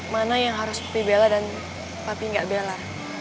mana yang harus dipela dan pak pi nggak bela